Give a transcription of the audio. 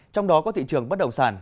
trong đó có thị trường bất đồng sản